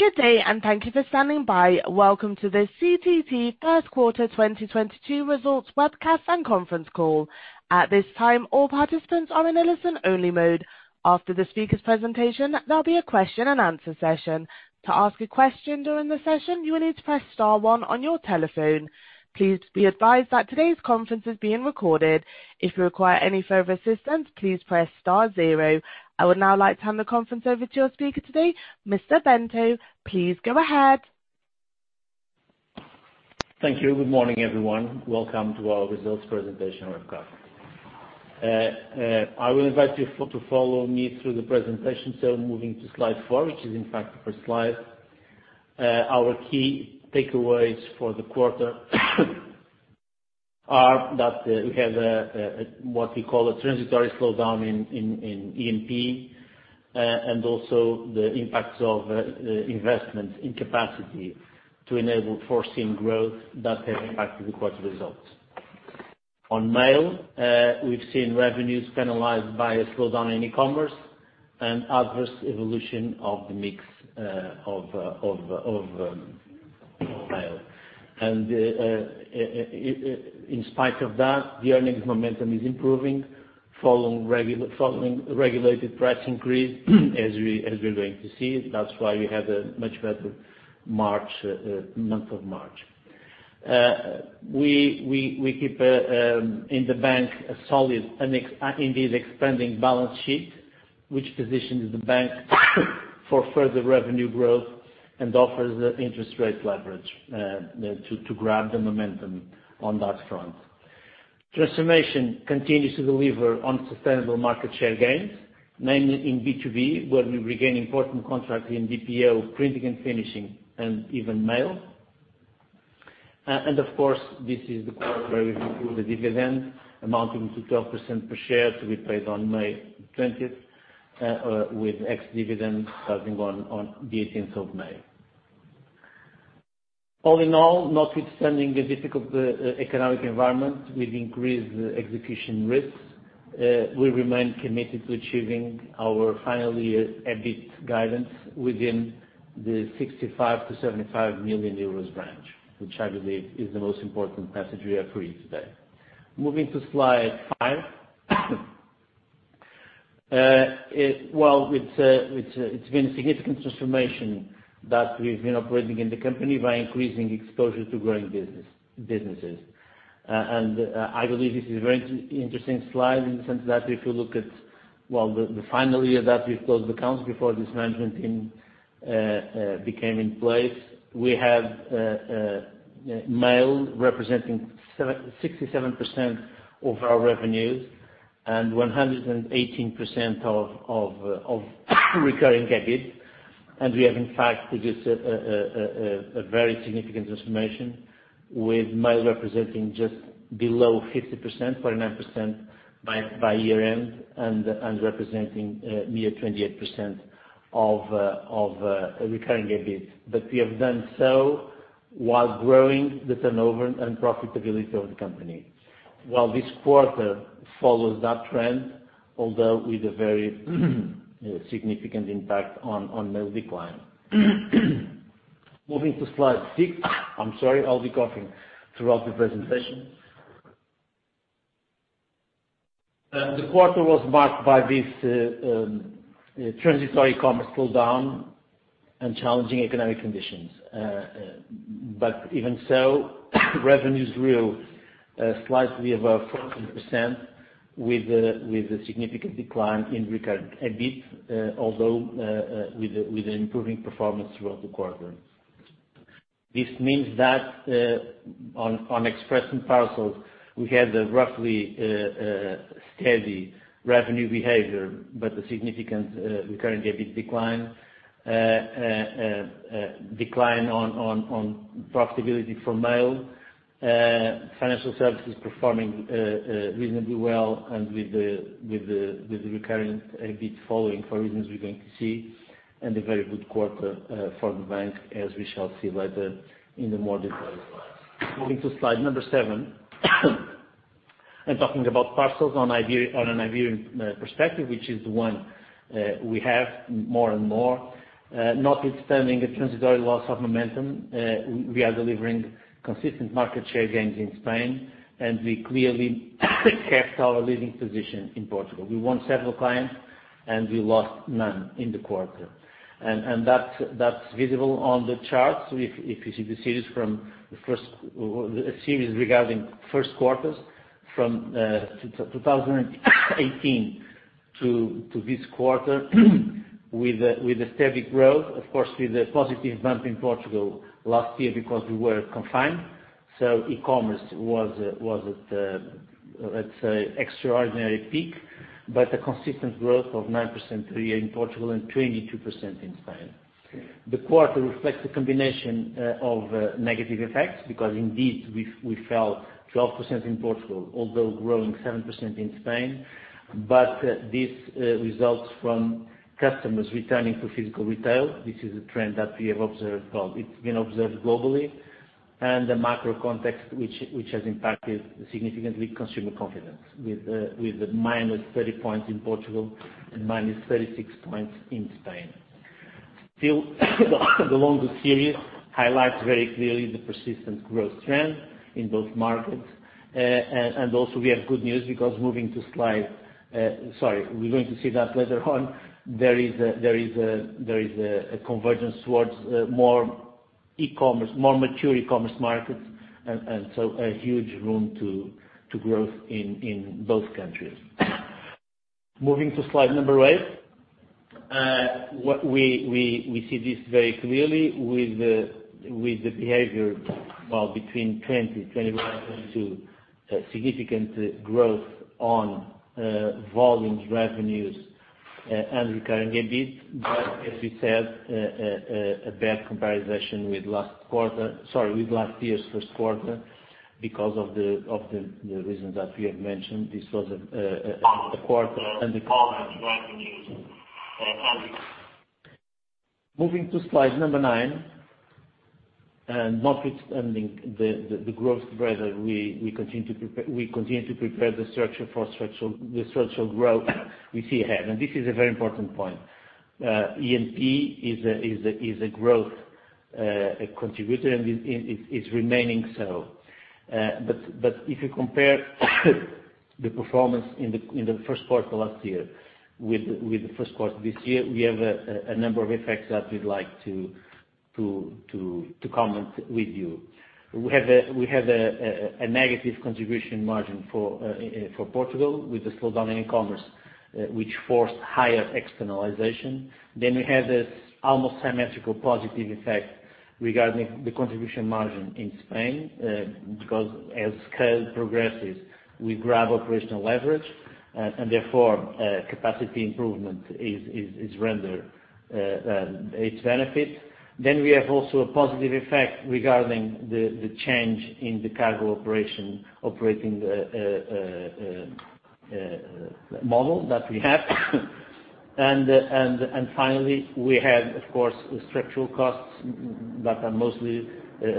Good day, and thank you for standing by. Welcome to the CTT first quarter 2022 results webcast and conference call. At this time, all participants are in a listen only mode. After the speaker's presentation, there'll be a question and answer session. To ask a question during the session, you will need to press star one on your telephone. Please be advised that today's conference is being recorded. If you require any further assistance, please press star zero. I would now like to hand the conference over to your speaker today, Mr. Bento. Please go ahead. Thank you. Good morning, everyone. Welcome to our results presentation webcast. I will invite you to follow me through the presentation. Moving to slide four, which is in fact the first slide. Our key takeaways for the quarter are that we have a what we call a transitory slowdown in E&P and also the impacts of investment in capacity to enable foreseen growth that have impacted the quarter results. On mail, we've seen revenues penalized by a slowdown in e-commerce and adverse evolution of the mix of mail. In spite of that, the earnings momentum is improving following regulated price increase as we're going to see. That's why we had a much better month of March. We keep in the bank a solid and, indeed, expanding balance sheet, which positions the bank for further revenue growth and offers the interest rate leverage to grab the momentum on that front. Transformation continues to deliver on sustainable market share gains, mainly in B2B, where we regain important contract in BPO, printing and finishing, and even mail. Of course, this is the part where we include the dividend amounting to 12% per share to be paid on May 20th, with ex-dividend on the 18th of May. All in all, notwithstanding the difficult economic environment with increased execution risks, we remain committed to achieving our full year EBIT guidance within the 65 million-75 million euros range, which I believe is the most important message we have for you today. Moving to slide five. It's been a significant transformation that we've been operating in the company by increasing exposure to growing businesses. I believe this is a very interesting slide in the sense that if you look at the final year that we've closed accounts before this management team became in place, we had mail representing 67% of our revenues and 118% of recurring EBIT. We have, in fact, produced a very significant transformation with mail representing just below 50%, 49% by year-end and representing near 28% of recurring EBIT. We have done so while growing the turnover and profitability of the company. This quarter follows that trend although with a very significant impact on Mail decline. Moving to slide six. I'm sorry, I'll be coughing throughout the presentation. The quarter was marked by this e-commerce slowdown and challenging economic conditions. Even so, revenues grew slightly above 4% with a significant decline in recurring EBIT, although with an improving performance throughout the quarter. This means that on Express & Parcels, we had a roughly steady revenue behavior but a significant recurring EBIT decline. Decline on profitability for Mail. Financial services performing reasonably well and with the recurring EBIT following for reasons we're going to see, and a very good quarter for the bank as we shall see later in the more detailed slides. Moving to slide number seven and talking about parcels on an Iberian perspective, which is the one we have more and more. Notwithstanding a transitory loss of momentum, we are delivering consistent market share gains in Spain, and we clearly kept our leading position in Portugal. We won several clients, and we lost none in the quarter. That's visible on the charts. If you see the series regarding first quarters from 2018 to this quarter with a steady growth, of course, with a positive bump in Portugal last year because we were confined. E-commerce was at, let's say, extraordinary peak, but a consistent growth of 9% three-year in Portugal and 22% in Spain. The quarter reflects a combination of negative effects because indeed we fell 12% in Portugal, although growing 7% in Spain. This results from customers returning to physical retail. This is a trend that we have observed well. It's been observed globally. The macro context which has impacted significantly consumer confidence with the -30 points in Portugal and -36 points in Spain. Still the longer series highlights very clearly the persistent growth trend in both markets. Also we have good news because moving to slide, sorry, we're going to see that later on. There is a convergence towards more e-commerce, more mature e-commerce markets and so a huge room to growth in both countries. Moving to slide number eight. What we see this very clearly with the behavior, well, between 2021 to significant growth on volumes, revenues, and recurring EBIT. As we said, a bad comparison with last quarter, sorry, with last year's first quarter because of the reasons that we have mentioned, this was a quarter under complex revenues. Moving to slide number nine, notwithstanding the growth driver we continue to prepare the structure for the structural growth we see ahead. This is a very important point. E&P is a growth contributor and is remaining so. If you compare the performance in the first quarter last year with the first quarter this year, we have a number of effects that we'd like to comment with you. We have a negative contribution margin for Portugal with the slowdown in e-commerce, which forced higher externalization. We have this almost symmetrical positive effect regarding the contribution margin in Spain, because as scale progresses, we grab operational leverage. Capacity improvement is rendering its benefit. We have also a positive effect regarding the change in the cargo operations operating model that we have. We have of course structural costs that are mostly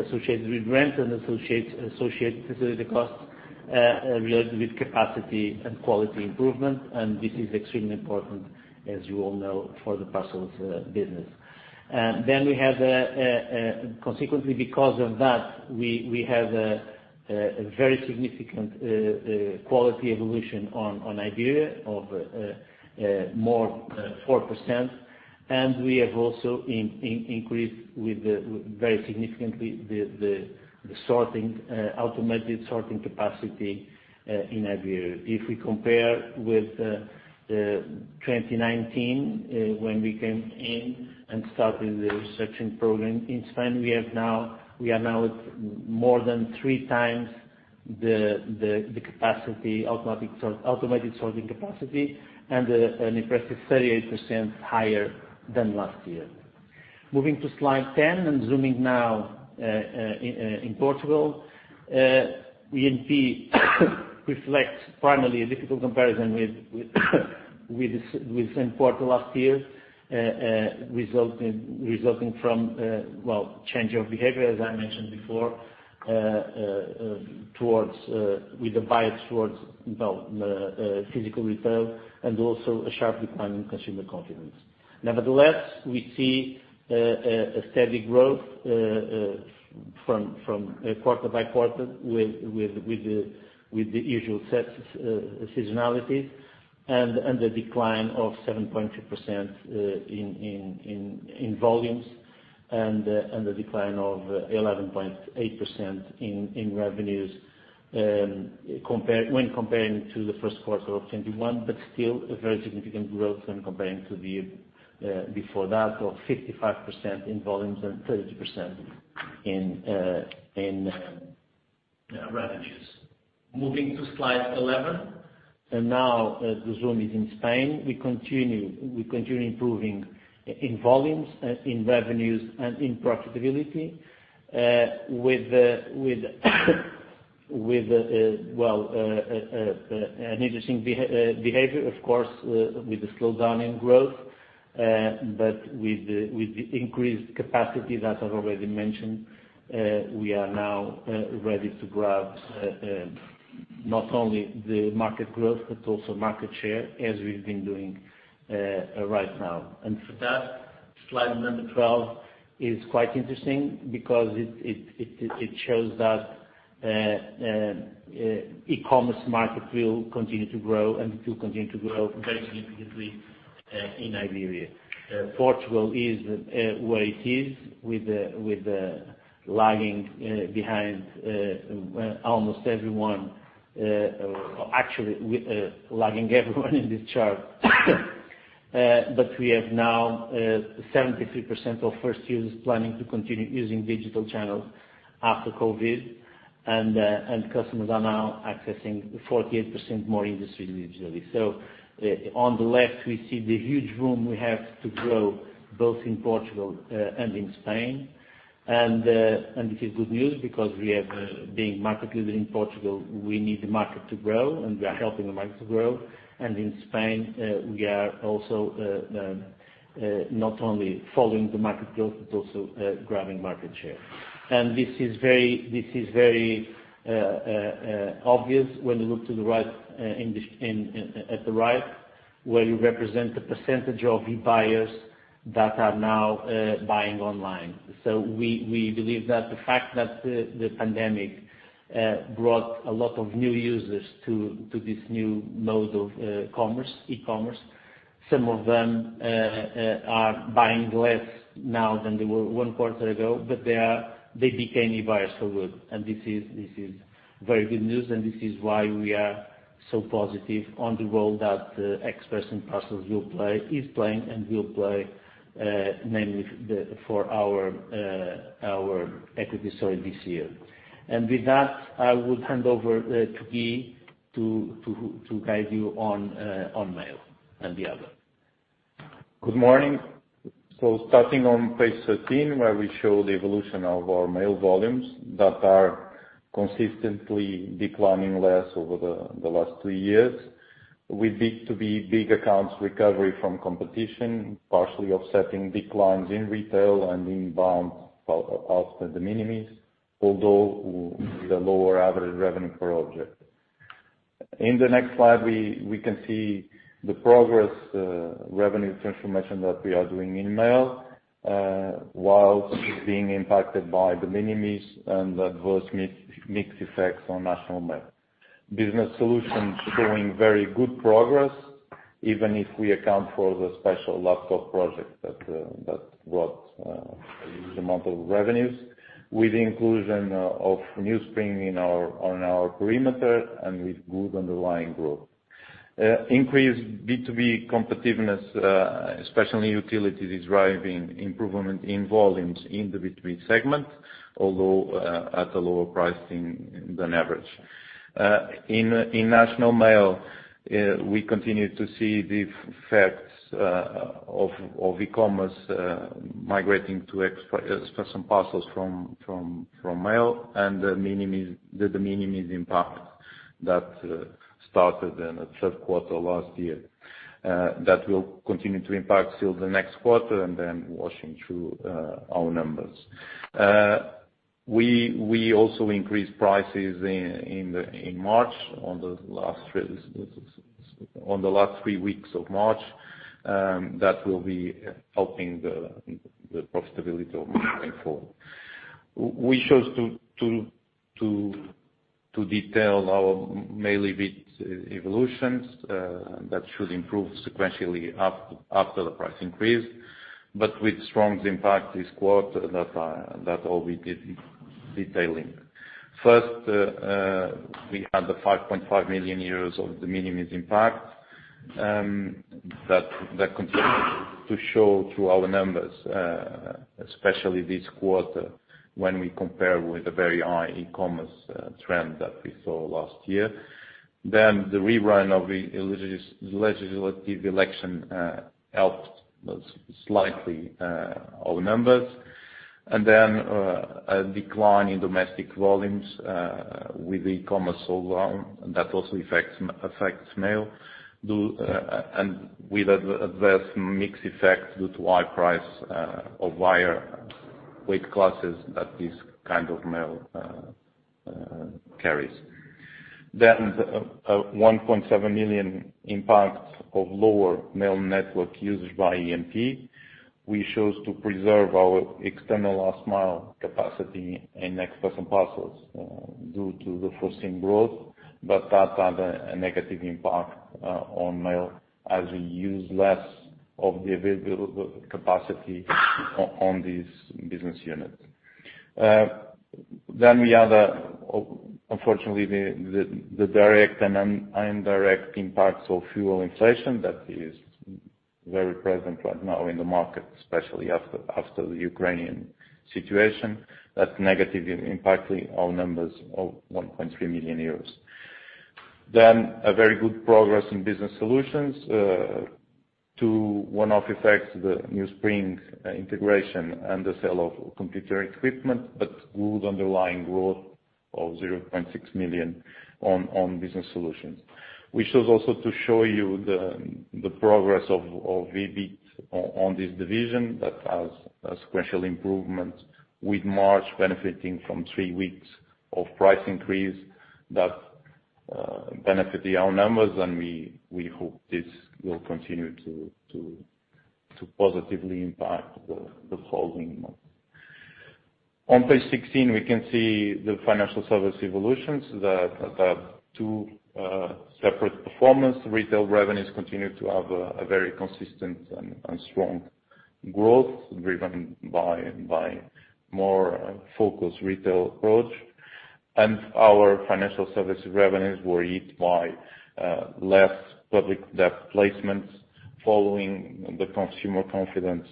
associated with rent and associated facility costs related with capacity and quality improvement. This is extremely important, as you all know, for the parcels business. We have consequently because of that a very significant quality evolution in Iberia of more than 4%. We have also increased very significantly the automated sorting capacity in Iberia. If we compare with 2019, when we came in and started the sorting program in Spain, we are now more than three times the capacity, automated sorting capacity and an impressive 38% higher than last year. Moving to slide 10 and zooming now in Portugal, E&P reflects primarily a difficult comparison with the same quarter last year, resulting from, well, change of behavior as I mentioned before, towards with a bias towards, well, physical retail and also a sharp decline in consumer confidence. Nevertheless, we see a steady growth from quarter by quarter with the usual seasonal seasonality and the decline of 7.2% in volumes and the decline of 11.8% in revenues when comparing to the first quarter of 2021, but still a very significant growth when comparing to the before that of 55% in volumes and 30% in revenues. Moving to slide 11. Now the zoom is in Spain. We continue improving in volumes, in revenues, and in profitability with well an interesting behavior of course with the slowdown in growth. with the increased capacity that I've already mentioned, we are now ready to grab not only the market growth but also market share as we've been doing right now. For that, slide number 12 is quite interesting because it shows that the e-commerce market will continue to grow and will continue to grow very significantly in Iberia. Portugal is where it is with the lagging behind almost everyone, actually lagging everyone in this chart. We have now 73% of first users planning to continue using digital channels after COVID and customers are now accessing 48% more industry digitally. On the left we see the huge room we have to grow both in Portugal and in Spain. This is good news because we have being market leader in Portugal, we need the market to grow, and we are helping the market to grow. In Spain, we are also not only following the market growth but also grabbing market share. This is very obvious when you look to the right, at the right where you represent the percentage of e-buyers that are now buying online. We believe that the fact that the pandemic brought a lot of new users to this new mode of commerce, e-commerce. Some of them are buying less now than they were one quarter ago, but they became e-buyers for good. This is very good news, and this is why we are so positive on the role that Express & Parcels will play, is playing and will play, namely for our equity story this year. With that, I will hand over to Guy to guide you on Mail & Others. Good morning. Starting on page 13, where we show the evolution of our mail volumes that are consistently declining less over the last two years, with B2B big accounts recovery from competition, partially offsetting declines in retail and inbound after de minimis, although with a lower average revenue per object. In the next slide, we can see the progress revenue transformation that we are doing in mail, while being impacted by de minimis and adverse mixed effects on national mail. Business Solutions showing very good progress, even if we account for the special laptop project that brought this amount of revenues with the inclusion of NewSpring on our perimeter and with good underlying growth. Increased B2B competitiveness, especially utilities driving improvement in volumes in the B2B segment, although at a lower pricing than average. In national mail, we continue to see the effects of e-commerce migrating to express and parcels from mail and the de minimis impact that started in the third quarter last year. That will continue to impact till the next quarter and then washing through our numbers. We also increased prices in March, on the last three weeks of March, that will be helping the profitability of mail going forward. We chose to detail our mail EBITDA evolutions, that should improve sequentially after the price increase, but with strong impact this quarter that will be detailing. First, we had the 5.5 million euros of de minimis impact, that continued to show through our numbers, especially this quarter when we compare with a very high e-commerce trend that we saw last year. The rerun of the legislative election helped slightly our numbers. A decline in domestic volumes, with e-commerce so low, that also affects mail, and with adverse mixed effects due to high price of higher weight classes that this kind of mail carries. 1.7 million impact of lower mail network usage by E&P. We chose to preserve our external last mile capacity in Express & Parcels, due to the foreseen growth, but that had a negative impact on mail as we use less of the available capacity on this business unit. We had unfortunately the direct and indirect impacts of fuel inflation that is very present right now in the market, especially after the Ukrainian situation. That's negatively impacting our numbers of 1.3 million euros. A very good progress in Business Solutions to one-off effects, the NewSpring integration and the sale of computer equipment, but good underlying growth of 0.6 million on Business Solutions. We chose also to show you the progress of EBIT on this division that has a sequential improvement with March benefiting from three weeks of price increase that benefited our numbers, and we hope this will continue to positively impact the following months. On page 16, we can see the Financial Services evolutions that have two separate performance. Retail revenues continue to have a very consistent and strong growth driven by more focused retail approach. Our financial service revenues were hit by less public debt placements following the consumer confidence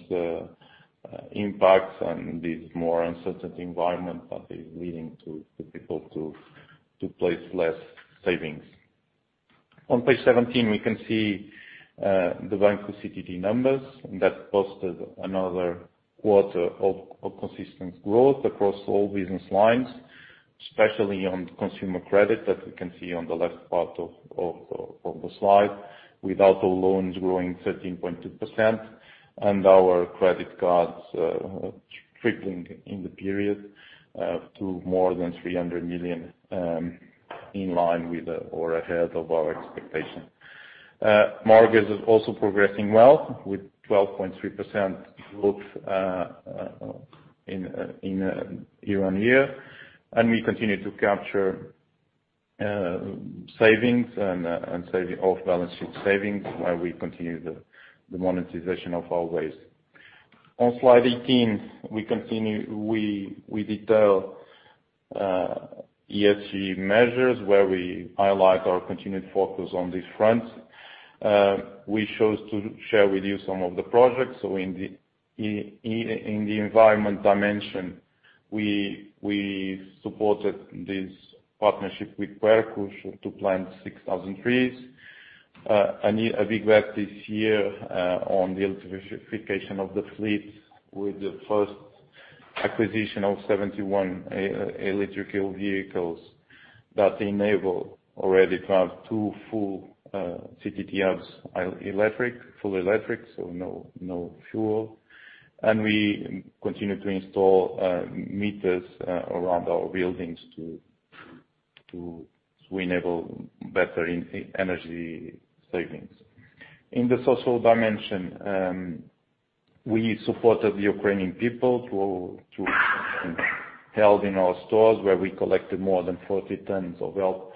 impacts and this more uncertain environment that is leading to the people to place less savings. On page 17, we can see the Banco CTT numbers that posted another quarter of consistent growth across all business lines, especially on consumer credit, as you can see on the left part of the slide, with auto loans growing 13.2% and our credit cards tripling in the period to more than 300 million, in line with or ahead of our expectation. Mortgage is also progressing well with 12.3% growth year-on-year. We continue to capture savings and off-balance-sheet savings while we continue the monetization of our ways. On slide 18, we detail ESG measures where we highlight our continued focus on this front. We chose to share with you some of the projects. In the environment dimension, we supported this partnership with Quercus to plant 6,000 trees. A big bet this year on the electrification of the fleet with the first acquisition of 71 electric vehicles that enable already to have two full CTT hubs electric, fully electric, so no fuel. We continue to install meters around our buildings to enable better energy savings. In the social dimension, we supported the Ukrainian people through help held in our stores, where we collected more than 40 tons of help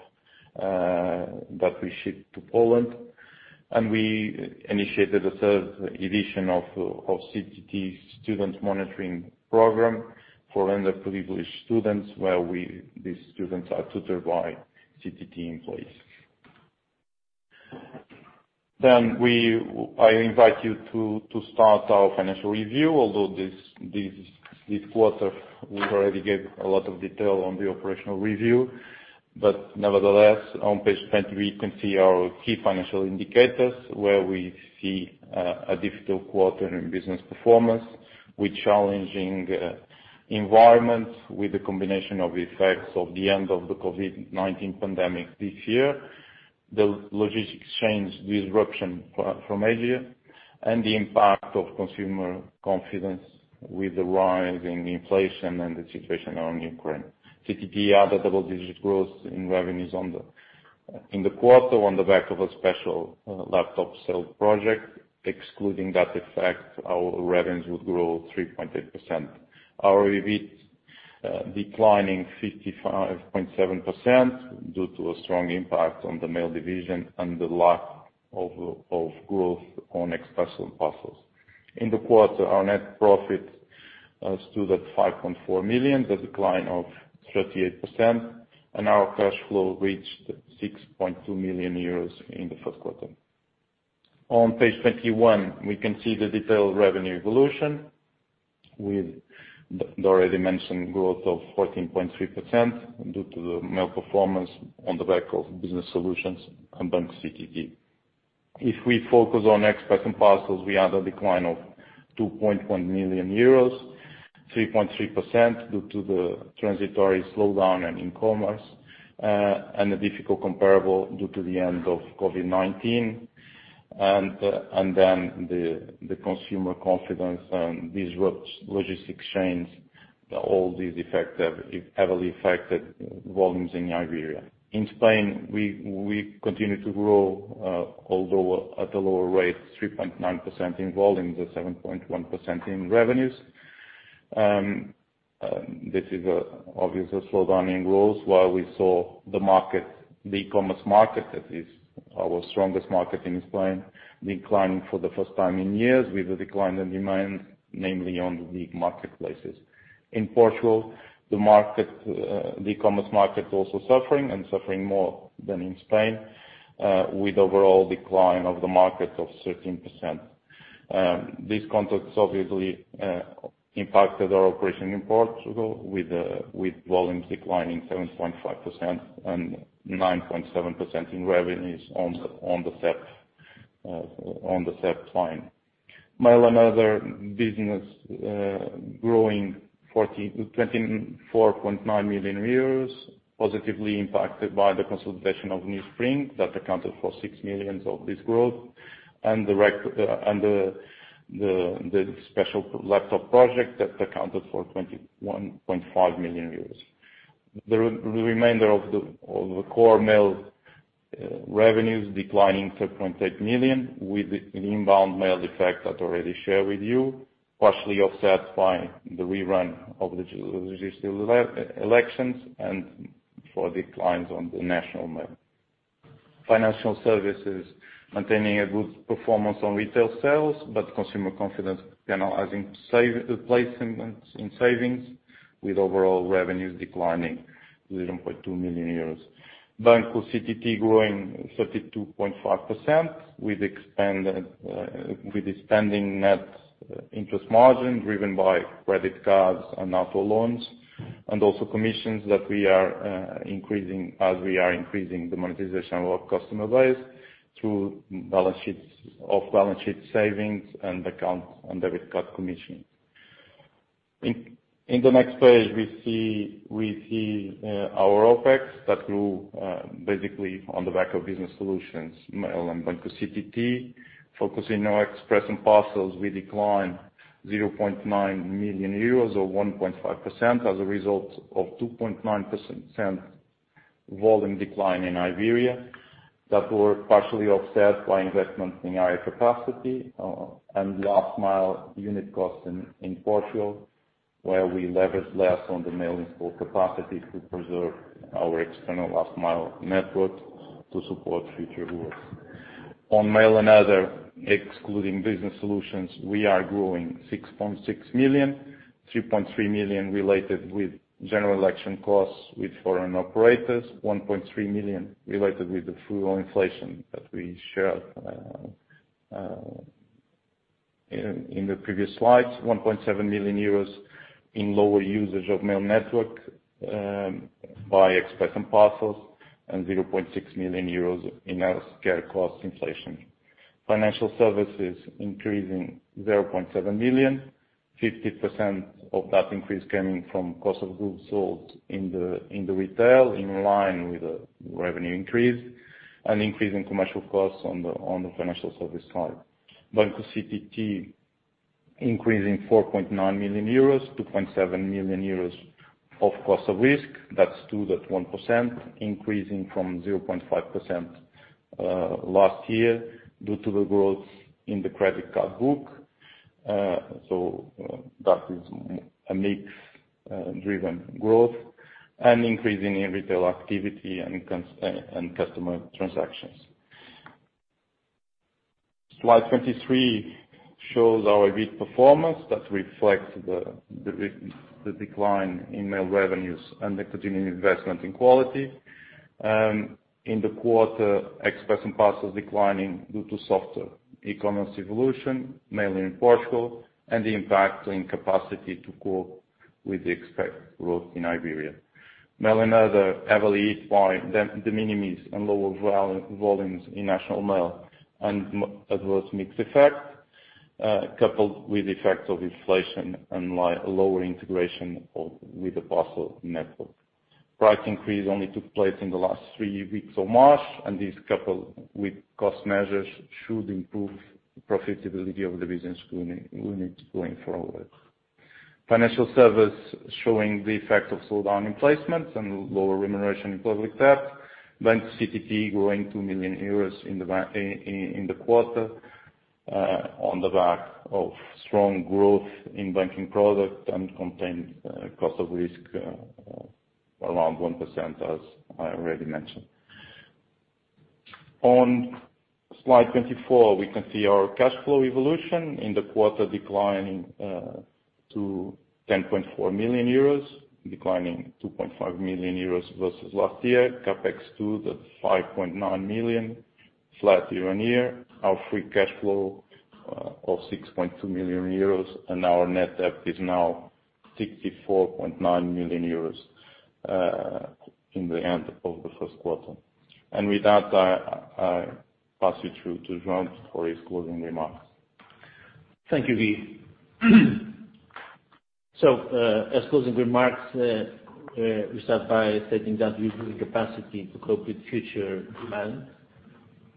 that we shipped to Poland. We initiated a third edition of CTT student mentoring program for underprivileged students, where the students are tutored by CTT employees. I invite you to start our financial review. Although this quarter, we already gave a lot of detail on the operational review. Nevertheless, on page 20, we can see our key financial indicators where we see a difficult quarter in business performance with challenging environment, with the combination of effects of the end of the COVID-19 pandemic this year, the logistics chains disruption from Asia, and the impact of consumer confidence with the rise in inflation and the situation around Ukraine. CTT had a double-digit growth in revenues in the quarter on the back of a special laptop sale project. Excluding that effect, our revenues would grow 3.8%. Our EBIT declining 55.7% due to a strong impact on the mail division and the lack of growth on Express & Parcels. In the quarter, our net profit stood at 5.4 million, the 38% decline, and our cash flow reached 6.2 million euros in the first quarter. On page 21, we can see the detailed revenue evolution with the already mentioned 14.3% growth due to the mail performance on the back of Business Solutions and Banco CTT. If we focus on Express & Parcels, we had a decline of 2.1 million euros, 3.3% due to the transitory slowdown in commerce and a difficult comparable due to the end of COVID-19. The consumer confidence and disrupted logistics chains, all these effects have heavily affected volumes in Iberia. In Spain, we continue to grow, although at a lower rate, 3.9% in volumes and 7.1% in revenues. This is obviously a slowdown in growth while we saw the e-commerce market that is our strongest market in Spain, declining for the first time in years with a decline in demand, namely on the big marketplaces. In Portugal, the e-commerce market is also suffering more than in Spain, with overall decline of the market of 13%. This context obviously impacted our operation in Portugal with volumes declining 7.5% and 9.7% in revenues on the E&P line. Mail & Others business growing 24.9 million euros, positively impacted by the consolidation of NewSpring that accounted for 6 million of this growth and the special laptop project that accounted for 21.5 million euros. The remainder of the core mail revenues declining 3.8 million with the inbound mail effect that I already shared with you, partially offset by the rerun of the judicial elections and for declines on the national mail. Financial Services maintaining a good performance on retail sales, but consumer confidence penalizing savings placements in savings with overall revenues declining 0.2 million euros. Banco CTT growing 32.5% with expanding net interest margin driven by credit cards and auto loans. Also commissions that we are increasing as we are increasing the monetization of our customer base through off-balance-sheet savings and accounts and credit card commissions. In the next page, we see our OpEx that grew basically on the back of Business Solutions, mail and Banco CTT. Focusing on Express & Parcels, we declined 0.9 million euros or 1.5% as a result of 2.9% volume decline in Iberia that were partially offset by investments in higher capacity and last mile unit cost in Portugal, where we leverage less on the mailing port capacity to preserve our external last mile network to support future growth. On Mail & Others, excluding Business Solutions, we are growing 6.6 million, 3.3 million related with general election costs with foreign operators. 1.3 million related with the fuel inflation that we shared in the previous slides. 1.7 million euros in lower usage of mail network by Express & Parcels, and 0.6 million euros in our carrier cost inflation. Financial Services increasing 0.7 million. 50% of that increase coming from cost of goods sold in the retail in line with the revenue increase and increase in commercial costs on the financial service side. Banco CTT increasing 4.9 million euros, 2.7 million euros of cost of risk. That's 2.1% increasing from 0.5% last year due to the growth in the credit card book. That is a mix driven growth and increasing in retail activity and customer transactions. Slide 23 shows our EBIT performance that reflects the decline in mail revenues and the continuing investment in quality. In the quarter, Express & Parcels declining due to softer e-commerce evolution, mainly in Portugal, and the impact in capacity to cope with the expected growth in Iberia. Mail, another heavily hit by de minimis and lower volumes in national mail and adverse mixed effect, coupled with effects of inflation and lower integration with the parcel network. Price increase only took place in the last three weeks of March, and this coupled with cost measures should improve profitability of the business unit going forward. Financial Services showing the effect of slowdown in placements and lower remuneration in public debt. Banco CTT growing 2 million euros in the quarter, on the back of strong growth in banking product and contained cost of risk around 1%, as I already mentioned. On slide 24, we can see our cash flow evolution in the quarter declining to 10.4 million euros, declining 2.5 million euros versus last year. CapEx too at 5.9 million, flat year-on-year. Our free cash flow of 6.2 million euros and our net debt is now 64.9 million euros in the end of the first quarter. With that, I pass you through to João for his closing remarks. Thank you, Guy. As closing remarks, we start by stating that we've built capacity to cope with future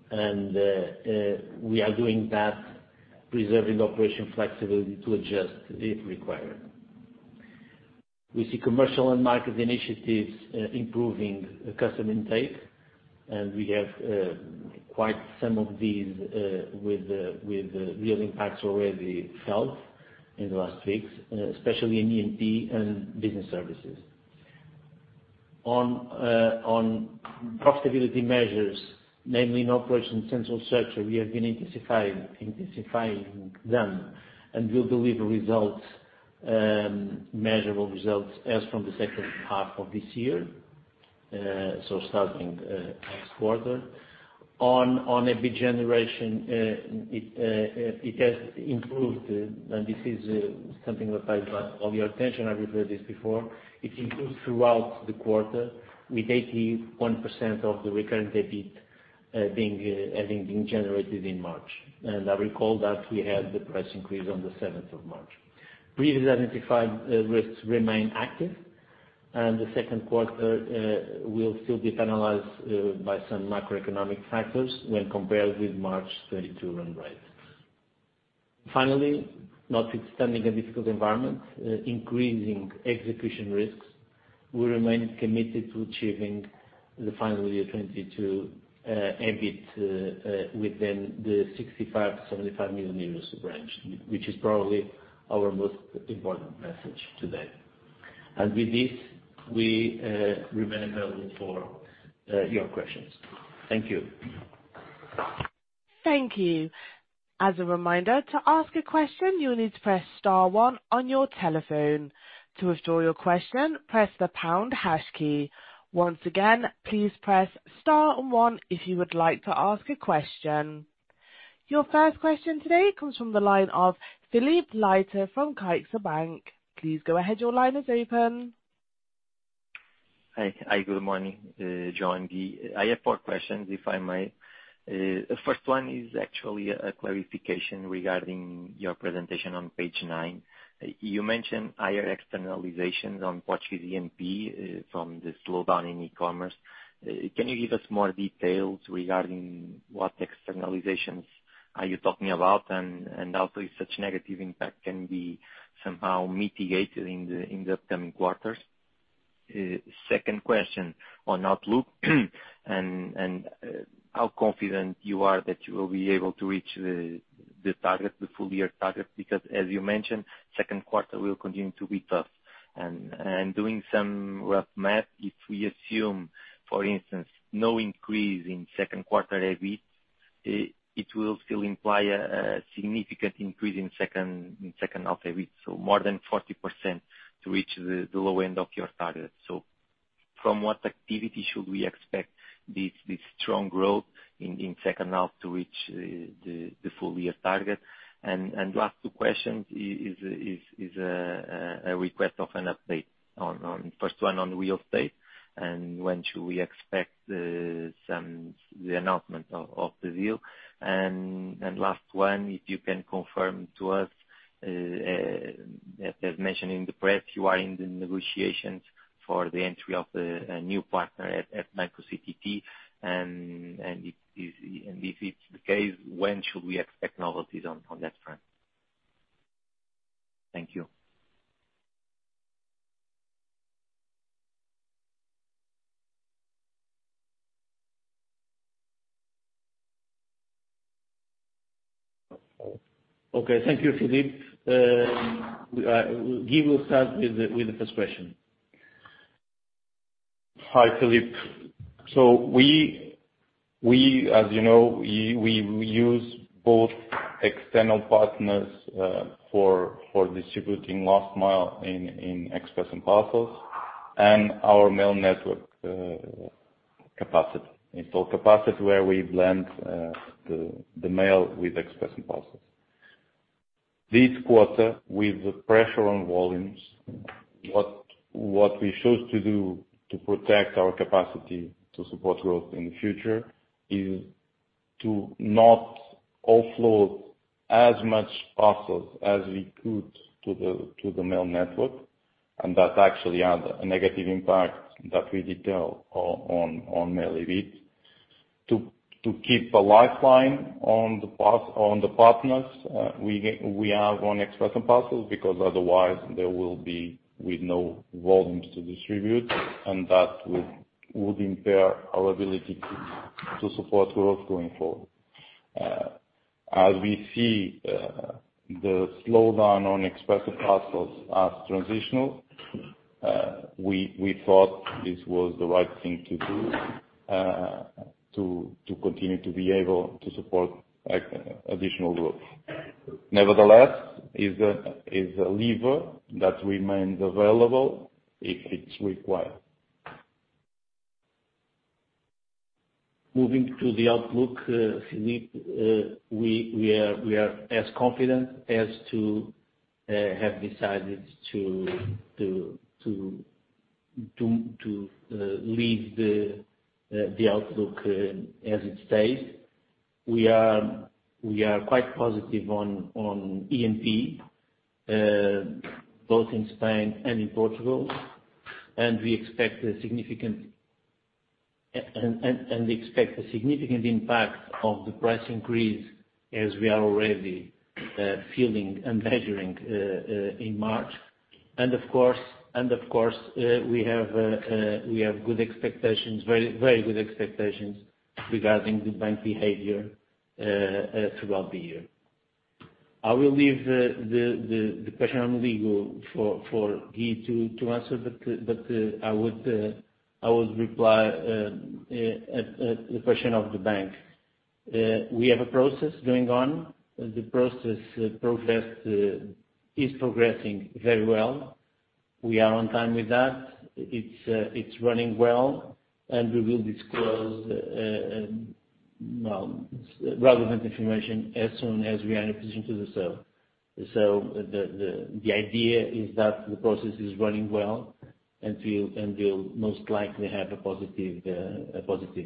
demand and we are doing that preserving operational flexibility to adjust if required. We see commercial and market initiatives improving customer intake and we have quite some of these with real impacts already felt in the last weeks, especially in E&P and Business Solutions. On profitability measures, namely in operational central structure, we have been intensifying them and we'll deliver measurable results as from the second half of this year, starting next quarter. On EBIT generation, it has improved, and this is something that I'd like all your attention. I've referred this before. It improved throughout the quarter with 81% of the recurrent EBIT having been generated in March. I recall that we had the price increase on the seventh of March. Previously identified risks remain active and the second quarter will still be penalized by some macroeconomic factors when compared with March 32 run rates. Finally, notwithstanding a difficult environment, increasing execution risks, we remain committed to achieving the final year 2022 EBIT within the 65 million-75 million euros range, which is probably our most important message today. With this, we remain available for your questions. Thank you. Thank you. As a reminder, to ask a question, you'll need to press star one on your telephone. To withdraw your question, press the pound hash key. Once again, please press star one if you would like to ask a question. Your first question today comes from the line of Filipe Leite from CaixaBank. Please go ahead, your line is open. Hi. Hi, good morning, João and Guy. I have four questions if I may. First one is actually a clarification regarding your presentation on page nine. You mentioned higher externalizations on Portuguese E&P from the slowdown in e-commerce. Can you give us more details regarding what externalizations Are you talking about how such negative impact can be somehow mitigated in the upcoming quarters? Second question on outlook and how confident you are that you will be able to reach the full year target? Because as you mentioned, second quarter will continue to be tough. Doing some rough math, if we assume, for instance, no increase in second quarter EBIT, it will still imply a significant increase in second half EBIT, so more than 40% to reach the low end of your target. From what activity should we expect this strong growth in second half to reach the full year target? Last two questions is a request of an update on first one on real estate and when should we expect the announcement of the deal? Last one, if you can confirm to us, as mentioned in the press, you are in the negotiations for the entry of a new partner at Banco CTT and if it's the case, when should we expect novelties on that front? Thank you. Okay, thank you, Filipe. Guy will start with the first question. Hi, Filipe. We, as you know, use both external partners for distributing last mile in express and parcels and our mail network capacity. Installed capacity where we blend the mail with express and parcels. This quarter, with the pressure on volumes, what we chose to do to protect our capacity to support growth in the future is to not offload as much parcels as we could to the mail network. That actually had a negative impact that we detail on mail EBIT. To keep a lifeline on the partners we have on express and parcels, because otherwise there will be with no volumes to distribute, and that would impair our ability to support growth going forward. As we see, the slowdown on Express & Parcels as transitional, we thought this was the right thing to do, to continue to be able to support additional growth. Nevertheless, is a lever that remains available if it's required. Moving to the outlook, Filipe, we are as confident as to have decided to leave the outlook as it stays. We are quite positive on E&P both in Spain and in Portugal, and we expect a significant impact of the price increase as we are already feeling and measuring in March. Of course, we have good expectations, very good expectations regarding the bank behavior throughout the year. I will leave the question on legal for Guy to answer, but I would reply the question of the bank. We have a process going on. The process is progressing very well. We are on time with that. It's running well, and we will disclose well, relevant information as soon as we are in a position to do so. The idea is that the process is running well and will most likely have a positive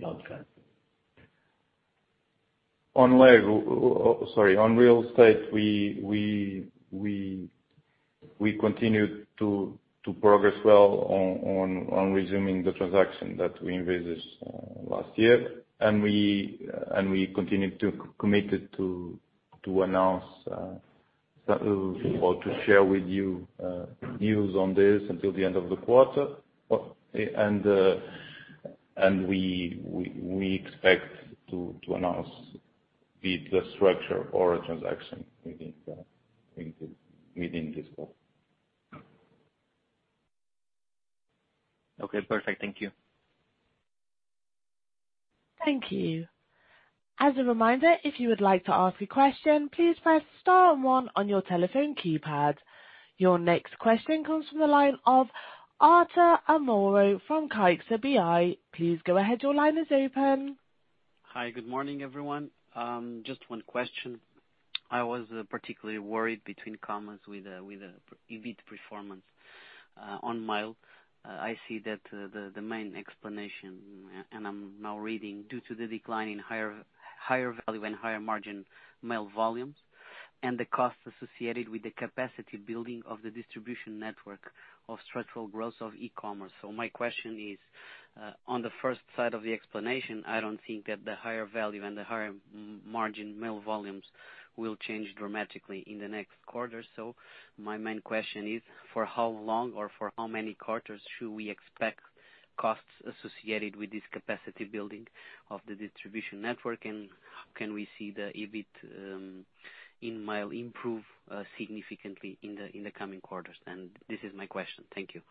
outcome. On real estate, we continue to progress well on resuming the transaction that we envisaged last year. We continue to committed to announce or to share with you news on this until the end of the quarter. We expect to announce the structure or a transaction within this quarter. Okay, perfect. Thank you. Thank you. As a reminder, if you would like to ask a question, please press star and one on your telephone keypad. Your next question comes from the line of Artur Amaro from CaixaBI. Please go ahead. Your line is open. Hi, good morning, everyone. Just one question. I was particularly worried by the numbers with the EBIT performance on mail. I see that the main explanation, and I'm now reading, due to the decline in higher value and higher margin mail volumes. The costs associated with the capacity building of the distribution network for the structural growth of e-commerce. My question is on the first side of the explanation, I don't think that the higher value and the higher margin mail volumes will change dramatically in the next quarter. My main question is for how long or for how many quarters should we expect costs associated with this capacity building of the distribution network? Can we see the EBIT in mail improve significantly in the coming quarters? This is my question. Thank you.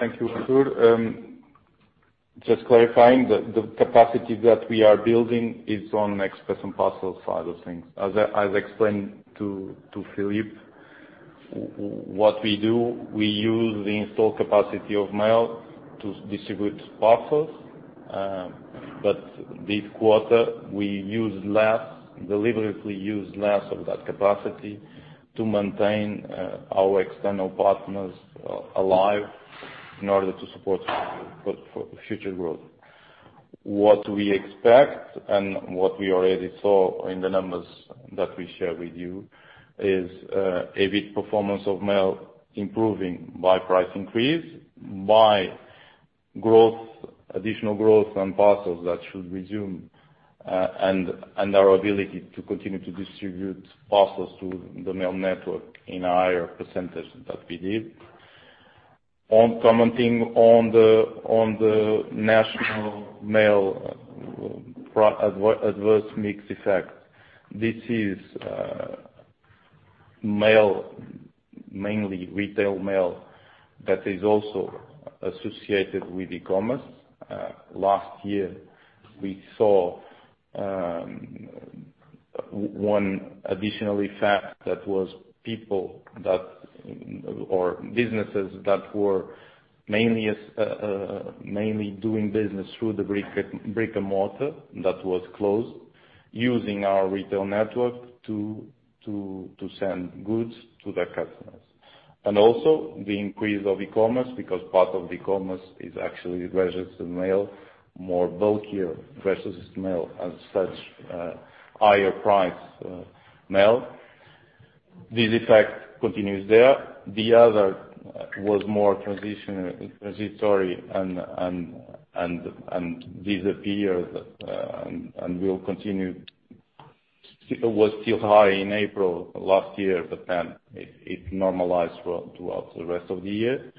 Thank you, Artur. Just clarifying the capacity that we are building is on Express & Parcels side of things. As I explained to Filipe, what we do, we use the installed capacity of mail to distribute parcels. But this quarter we used less, deliberately used less of that capacity to maintain our external partners alive in order to support future growth. What we expect and what we already saw in the numbers that we share with you is a better performance of mail improving by price increase, by growth, additional growth on parcels that should resume, and our ability to continue to distribute parcels through the mail network in a higher percentage than we did. On commenting on the national mail adverse mix effect. This is mail, mainly retail mail that is also associated with e-commerce. Last year we saw one additional effect that was people that, or businesses that were mainly doing business through the brick and mortar that was closed, using our retail network to send goods to their customers. Also the increase of e-commerce because part of e-commerce is actually registered mail, more bulkier registered mail as such, higher priced mail. This effect continues there. The other was more transitory and disappeared and will continue. It was still high in April last year, but then it normalized throughout the rest of the year.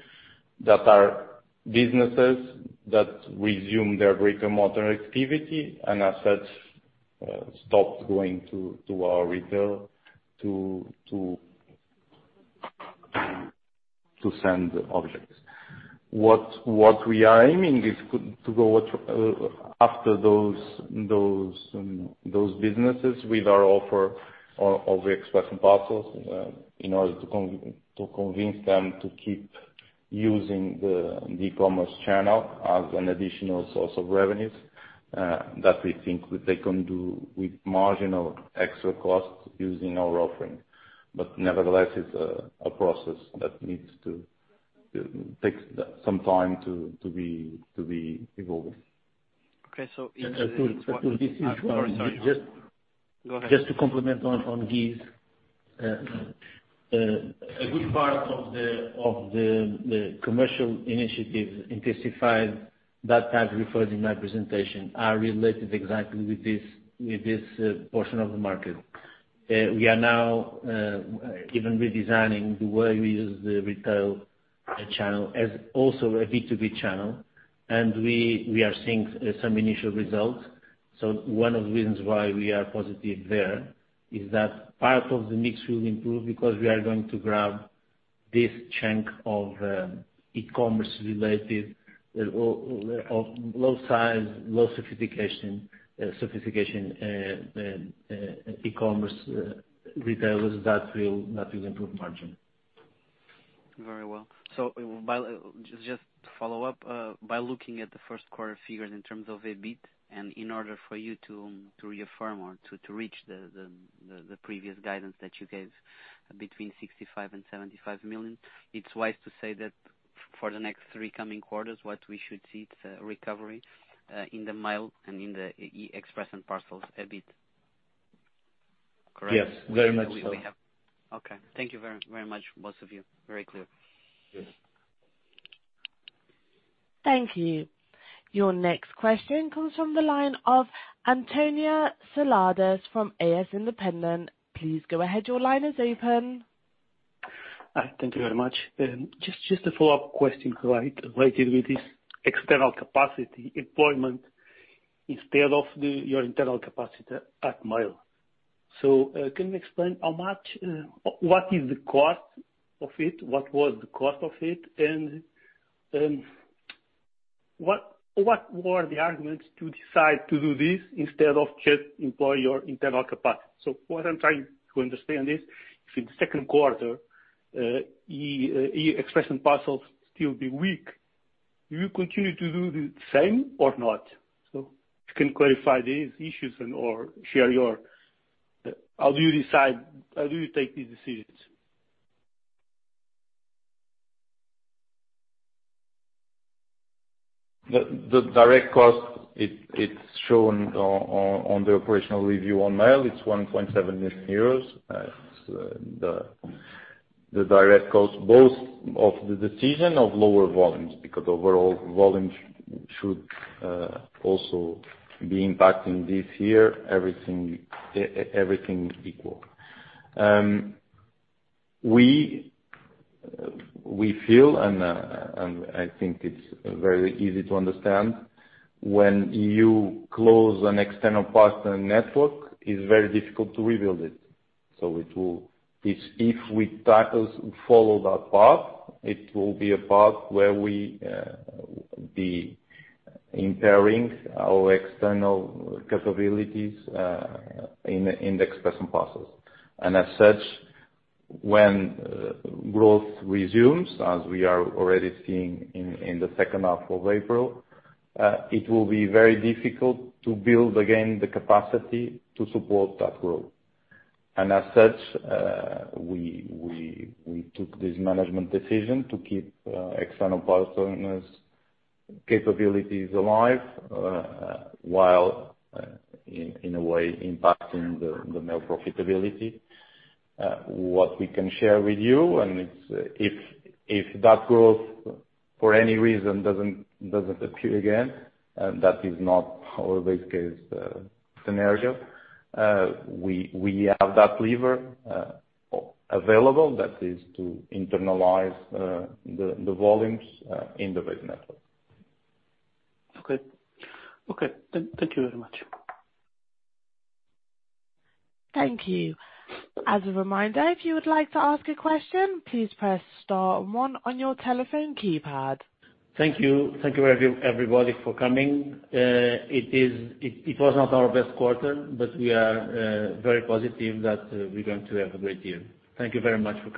That our businesses that resume their brick and mortar activity and as such stopped going to our retail to send objects. What we are aiming is to go after those businesses with our offer of Express & Parcels, in order to convince them to keep using the e-commerce channel as an additional source of revenues, that we think they can do with marginal extra costs using our offering. Nevertheless, it's a process that needs to take some time to be evolving. Okay. Arthur, Arthur, this is João. Oh, sorry, João. Go ahead, João. Just to complement on Guy's a good part of the commercial initiatives intensified that I've referred in my presentation are related exactly with this portion of the market. We are now even redesigning the way we use the retail channel as also a B2B channel, and we are seeing some initial results. One of the reasons why we are positive there is that part of the mix will improve because we are going to grab this chunk of e-commerce related of low size low sophistication e-commerce retailers that will improve margin. Very well. Just to follow up, by looking at the first quarter figures in terms of EBIT and in order for you to reaffirm or to reach the previous guidance that you gave between 65 million and 75 million, it's wise to say that for the next three coming quarters what we should see is a recovery in the Mail and in the Express & Parcels EBIT. Correct? Yes. Very much so. Okay. Thank you very, very much, both of you. Very clear. Yes. Thank you. Your next question comes from the line of António Seladas from AS Independent. Please go ahead. Your line is open. Hi. Thank you very much. Just a follow-up question related with this external capacity employment instead of your internal capacity at mail. Can you explain how much, what is the cost of it? What was the cost of it? What were the arguments to decide to do this instead of just employ your internal capacity? What I'm trying to understand is if in the second quarter, Express & Parcels still be weak. Do you continue to do the same or not? If you can clarify these issues and or share your how you decide? How do you take these decisions? The direct cost, it's shown on the operational review on Mail. It's 1.7 million euros. It's the direct cost, both of the decision of lower volumes, because overall volume should also be impacting this year, everything equal. We feel and I think it's very easy to understand, when you close an external partner network, it's very difficult to rebuild it. So it will. If we start to follow that path, it will be a path where we be impairing our external capabilities in the Express & Parcels. As such, when growth resumes, as we are already seeing in the second half of April, it will be very difficult to build again the capacity to support that growth. As such, we took this management decision to keep external partners' capabilities alive, while in a way impacting the mail profitability. What we can share with you if that growth for any reason doesn't appear again, and that is not our base case scenario, we have that lever available, that is to internalize the volumes in the base network. Okay. Thank you very much. Thank you. As a reminder, if you would like to ask a question, please press star one on your telephone keypad. Thank you. Thank you everybody for coming. It was not our best quarter, but we are very positive that we're going to have a great year. Thank you very much for coming.